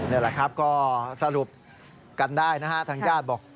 นี่แหละครับก็สรุปกันได้นะฮะทางญาติบอก